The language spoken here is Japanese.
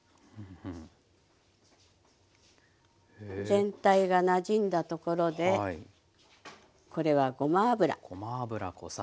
全体がなじんだところでこれはごま油。